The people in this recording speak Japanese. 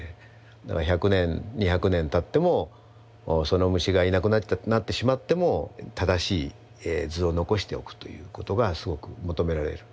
だから１００年２００年たってもその虫がいなくなってしまっても正しい図を残しておくということがすごく求められる。